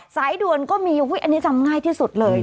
สายด่วนก็มีอันนี้จำง่ายที่สุดเลย